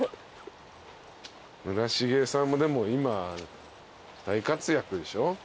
村重さんもでも今大活躍でしょ？